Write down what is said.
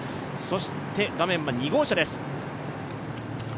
そして画面は２号車です。